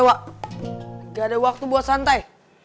tidak ada waktu buat santai